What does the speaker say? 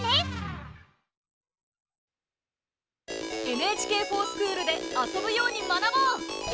「ＮＨＫｆｏｒＳｃｈｏｏｌ」で遊ぶように学ぼう！